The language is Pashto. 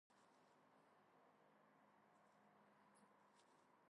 نیوروسرجري ډیره سخته ده!